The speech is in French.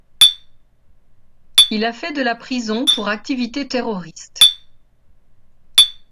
Il a fait de la prison pour activités terroristes.